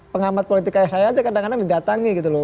pengamat politik kayak saya aja kadang kadang didatangi gitu loh